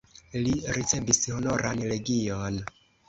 Li ricevis Honoran legion.